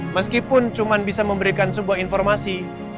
meskipun cuma bisa memberikan sebuah informasi